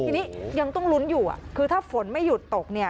ทีนี้ยังต้องลุ้นอยู่คือถ้าฝนไม่หยุดตกเนี่ย